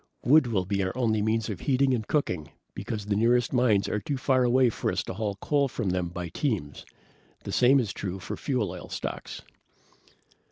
Wood will be our only means of heating and cooking because the nearest mines are too far away for us to haul coal from them by teams. The same is true of fuel oil stocks.